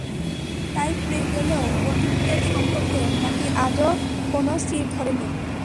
তাই প্রেম চলে গেলেও বন্ধুত্বের সম্পর্কে নাকি আজও কোনো চিড় ধরেনি।